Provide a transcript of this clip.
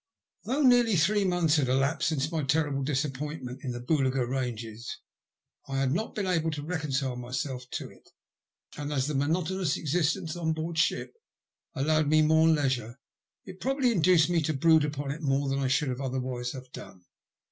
Though nearly three months had elapsed since my terrible disappointment in the Boolga Ranges, I had not been able to reconcile myself to it ; and as the monotonous existence on board ship allowed me more leisure, it probably induced me to brood upon it more than I should otherwise have done.